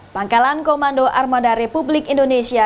pangkalan komando armada republik indonesia